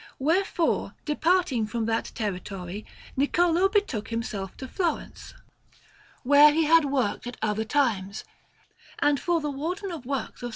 Wherefore, departing from that territory, Niccolò betook himself to Florence, where he had worked at other times, and for the Wardens of Works of S.